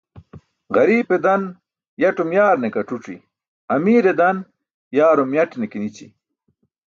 Ġariipe dan yaṭum yaarne ke ac̣uc̣i, amiire dan yaarum yaṭne ke nići